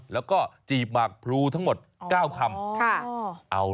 แล้วก็จีบหมากพลูทั้งหมด๙คำ